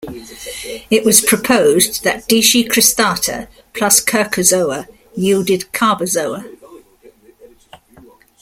It was proposed that Discicristata plus Cercozoa yielded Cabozoa.